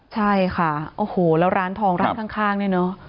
ใช่ค่ะโอ้โหแล้วร้านทองร้านข้างเนี่ยเนอะ